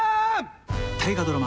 「大河ドラマ」